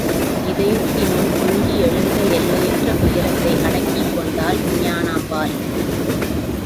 இதயத்தினுள் பொங்கியெழுந்த எல்லையற்ற துயரத்தை அடக்கிக் கொண்டாள் ஞானாம்பாள்.